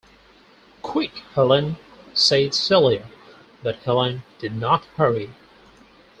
"Quick, Helene," said Celia. But Helene did not hurry.